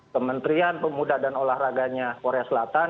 kementerian pemuda dan olahraganya korea selatan